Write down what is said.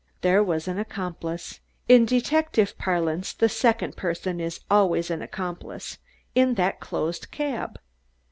There was an accomplice in detective parlance the second person is always an accomplice in that closed cab!